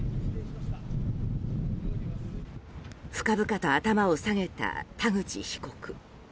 深々と頭を下げた田口被告。